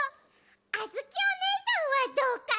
あづきおねえさんはどうかな？